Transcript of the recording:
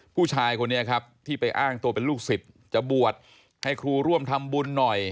ผู้ชายคนนี้ครับที่ไปอ้างตัวเป็นลูกศิษย์จะบวชให้ครูร่วมทำบุญหน่อย